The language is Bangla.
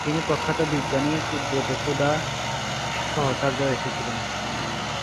তিনি প্রখ্যাত বিজ্ঞানী কুদরাত-এ-খুদার সাহচর্যে এসেছিলেন।